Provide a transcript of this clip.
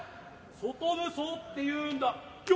外無双っていうんだよ！